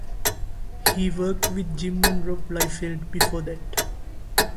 He worked with Jim and Rob Liefeld before that.